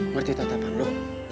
ngerti tatapan lo